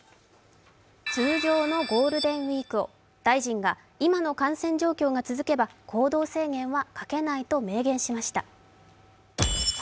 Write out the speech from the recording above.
通常のゴールデンウイーク、大臣が今の感染状況が続けば行動制限はかけないと明言しました。